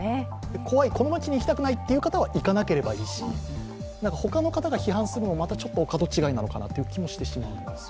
怖い、この町に行きたくないという方は行かなければいいしほかの方が批判するのも、ちょっとお門違いなのかなという気もします。